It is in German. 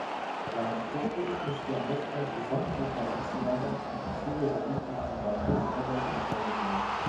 Langfristig ist der Austausch sämtlicher Achslager im Zuge der üblichen Wartungsarbeiten vorgesehen.